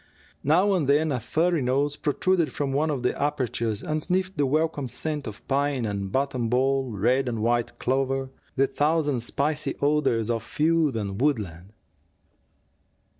Now and then a furry nose protruded from one of the apertures and sniffed the welcome scent of pine and buttonball, red and white clover, the thousand spicy odors of field and woodland.